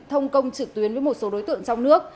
thông công trực tuyến với một số đối tượng trong nước